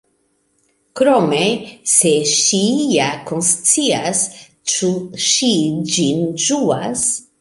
Krome, se ŝi ja konscias, ĉu ŝi ĝin ĝuas?